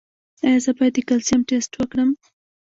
ایا زه باید د کلسیم ټسټ وکړم؟